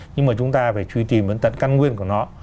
nhưng mà chúng ta phải truy tìm đến tận căn nguyên của nó